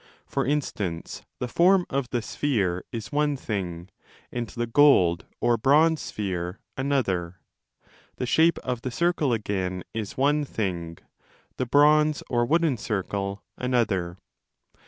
2785 For instance the form of the sphere is one thing and the gold or bronze sphere another; the shape of the circle again is one thing, the bronze or wooden circle another.